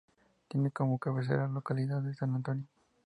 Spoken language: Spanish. Tiene como cabecera a la localidad de San Antonio.